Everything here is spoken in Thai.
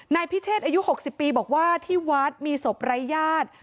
นายพิเชษอายุ๖๐ปีบอกว่าที่วัดมีศพไร้ญาติ